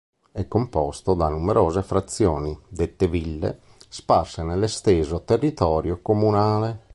È composto da numerose frazioni, dette Ville, sparse nell'esteso territorio comunale.